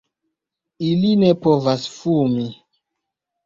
Ili ne povas fumi.